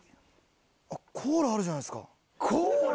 あっコーラあるじゃないですか。